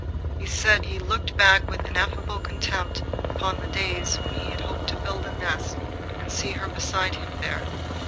He said he looked back with ineffable contempt upon the days when he had hoped to build a nest and see her beside him there.